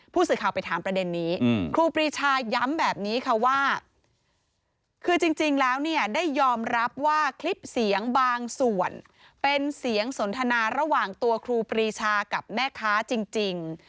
ผู้สื่อข่าวไปถามประเด็นนี้ครูปรีชาย้ำแบบนี้ค่ะว่าคือจริงแล้วเนี่ยได้ยอมรับว่าคลิปเสียงบางส่วนเป็นเสียงสนทนาระหว่างตัวครูปรีชากับแม่ค้าจริง